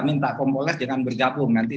minta kompolnas jangan bergabung nanti